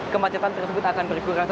kemacetan tersebut akan berkurang